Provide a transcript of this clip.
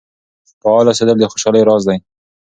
فعال اوسیدل د خوشحالۍ راز دی.